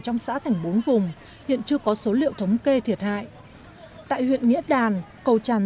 trong xã thành bốn vùng hiện chưa có số liệu thống kê thiệt hại tại huyện nghĩa đàn cầu tràn